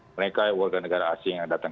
mereka warga negara asing yang datang